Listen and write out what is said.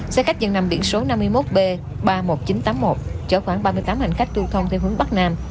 xe khách dân nằm biển số năm mươi một b ba mươi một nghìn chín trăm tám mươi một chở khoảng ba mươi tám hành khách tu thông theo hướng bắc nam